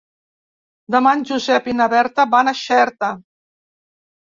Demà en Josep i na Berta van a Xerta.